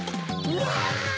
うわ！